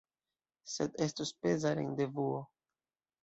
Sed estos peza rendevuo.